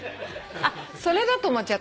あっそれだと思っちゃったんだ。